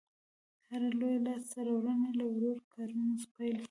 هره لویه لاسته راوړنه له وړو کارونو پیل کېږي.